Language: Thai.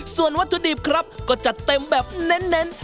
ส่วนวัตถุดิบครับก็จะเต็มแบบเน้น